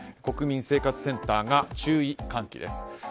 国民生活センターが注意喚起です。